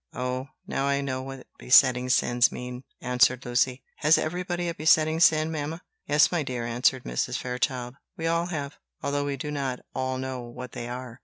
"Oh! now I know what besetting sins mean," answered Lucy. "Has everybody a besetting sin, mamma?" "Yes, my dear," answered Mrs. Fairchild; "we all have, although we do not all know what they are."